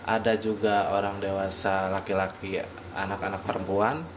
ada juga orang dewasa laki laki anak anak perempuan